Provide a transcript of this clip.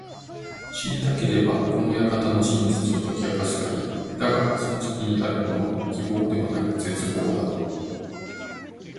知りたければ、この館の真実を解き明かすがいい。だがその先にあるものは…希望ではなく絶望だ。